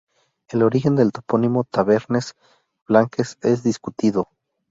El origen del topónimo Tabernes Blanques es discutido.